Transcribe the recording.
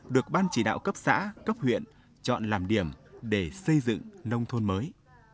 được ban chỉ đạo cấp xã cấp huyện chọn làm điểm để xây dựng nông thôn mới